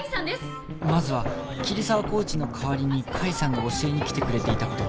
まずは桐沢コーチの代わりに甲斐さんが教えに来てくれていた事